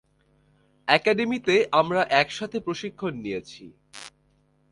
একাডেমিতে আমরা একসাথে প্রশিক্ষণ নিয়েছি।